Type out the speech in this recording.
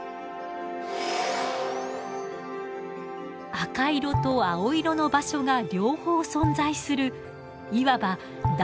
赤色と青色の場所が両方存在するいわば男女モザイクの脳。